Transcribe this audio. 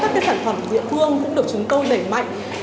các cái sản phẩm địa phương cũng được chúng tôi đẩy mạnh